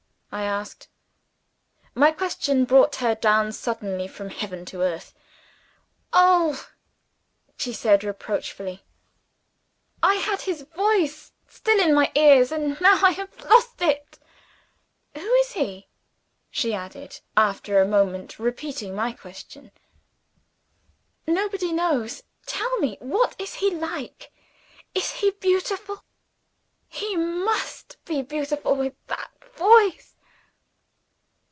I asked. My question brought her down suddenly from heaven to earth. "Oh!" she said reproachfully, "I had his voice still in my ears and now I have lost it! 'Who is he?'" she added, after a moment; repeating my question. "Nobody knows. Tell me what is he like. Is he beautiful? He must be beautiful, with that voice!"